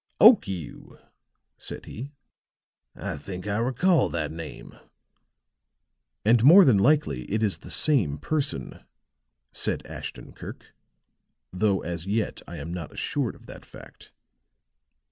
"Okiu!" said he. "I think I recall that name." "And more than likely it is the same person," said Ashton Kirk; "though as yet I am not assured of that fact."